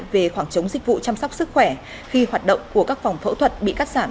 về khoảng trống dịch vụ chăm sóc sức khỏe khi hoạt động của các phòng phẫu thuật bị cắt giảm